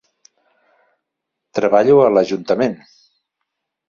Treballo a lAjuntament.